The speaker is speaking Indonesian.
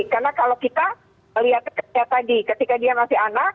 karena kalau kita melihatnya tadi ketika dia masih anak